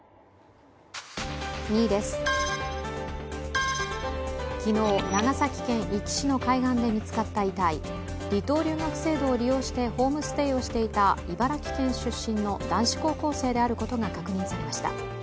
２位です、昨日、長崎県壱岐市の海岸で見つかった遺体、離島留学制度を利用してホームステイをしていた茨城県出身の男子高校生であることが確認されました。